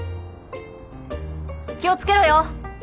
気を付けろよ。